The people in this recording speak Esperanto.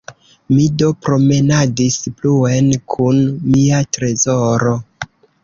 Mi do promenadis pluen kun mia trezoro.